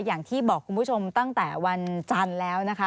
อย่างที่บอกคุณผู้ชมตั้งแต่วันจันทร์แล้วนะคะ